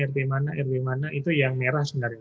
rt mana itu yang merah sebenarnya